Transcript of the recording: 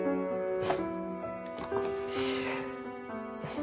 うん。